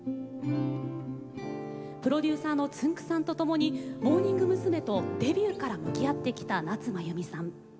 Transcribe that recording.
プロデューサーのつんく♂さんとともにモーニング娘。とデビューから向き合ってきた夏まゆみさん。